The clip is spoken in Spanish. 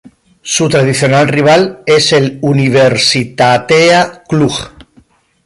Su tradicional rival es el Universitatea Cluj.